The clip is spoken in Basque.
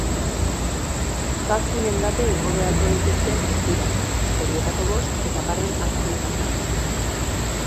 Zazpi mendate igo beharko dituzte guztira, horietako bost etaparen azken zatian.